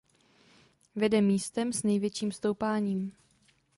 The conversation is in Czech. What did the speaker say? Vede místem s největším stoupáním.